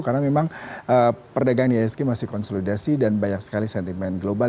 karena memang perdagangan isk masih konsolidasi dan banyak sekali sentimen global